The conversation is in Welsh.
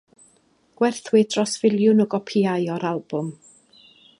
Gwerthwyd dros filiwn o gopïau o'r albwm.